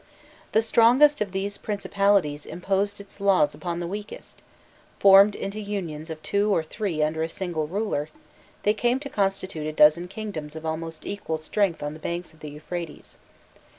The strongest of these principalities imposed its laws upon the weakest: formed into unions of two or three under a single ruler, they came to constitute a dozen kingdoms of almost equal strength on the banks of the Euphrates.